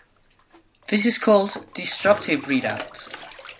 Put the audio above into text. This is called "destructive readout".